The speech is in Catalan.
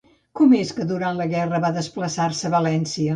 Com és que durant la Guerra va desplaçar-se a València?